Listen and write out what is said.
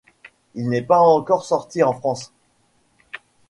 Il n'est pas encore sorti en France.